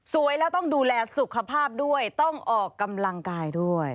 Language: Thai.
แล้วต้องดูแลสุขภาพด้วยต้องออกกำลังกายด้วย